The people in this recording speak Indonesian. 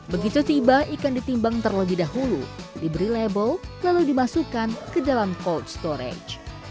begitu tiba ikan ditimbang terlebih dahulu diberi label lalu dimasukkan ke dalam cold storage